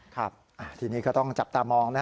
ครับทีนี้ก็ต้องจับตามองนะ